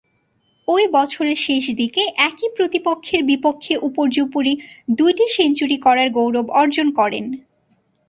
ঐ বছরের শেষদিকে একই প্রতিপক্ষের বিপক্ষে উপর্যুপরী দুইটি সেঞ্চুরি করার গৌরব অর্জন করেন।